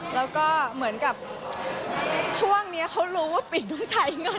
แล้วก็เหมือนกับช่วงนี้เขารู้ว่าปิ่นต้องใช้เงิน